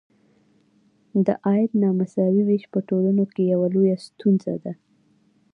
د عاید نامساوي ویش په ټولنو کې یوه لویه ستونزه ده.